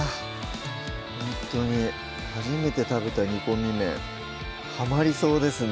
ほんとに初めて食べた「煮込み麺」はまりそうですね